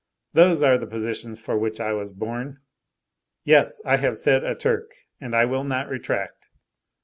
Those are the positions for which I was born! Yes, I have said a Turk, and I will not retract.